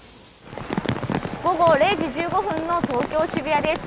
午後０時１５分の東京・渋谷です。